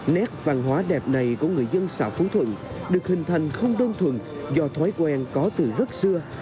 nét văn hóa đẹp này của người dân xã phú thuận được hình thành không đơn thuần do thói quen có từ rất xưa